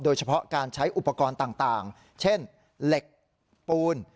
โดยเฉพาะการใช้อุปกรณ์ต่างเช่นเหล็กปูน